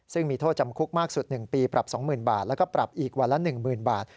ซึ่งมีโทษจำคุกมากสุด๑ปีปรับ๒๐๐๐บาทแล้วก็ปรับอีกวันละ๑๐๐๐บาท